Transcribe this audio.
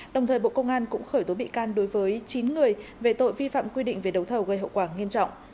đồng thời bộ công an cũng khởi tố bị can đối với chín người về tội vi phạm quy định về đấu thầu gây hậu quả nghiêm trọng